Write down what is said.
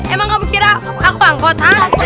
emang kamu kira aku angkut